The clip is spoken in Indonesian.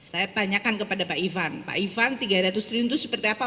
saya tanyakan kepada pak ivan pak ivan tiga ratus triliun itu seperti apa